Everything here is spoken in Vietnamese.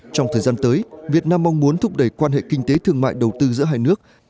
trong thời gian tới việt nam mong muốn thúc đẩy quan hệ kinh tế thương mại đầu tư giữa hai nước